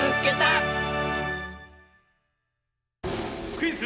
クイズ